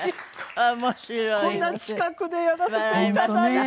こんな近くでやらせて頂いて。